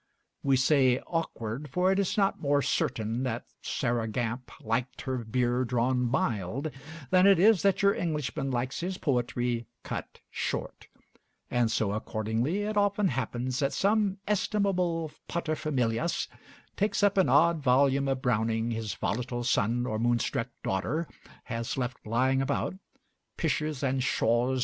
We say awkward, for it is not more certain that Sarah Gamp liked her beer drawn mild than it is that your Englishman likes his poetry cut short; and so, accordingly, it often happens that some estimable paterfamilias takes up an odd volume of Browning his volatile son or moonstruck daughter has left lying about, pishes and pshaws!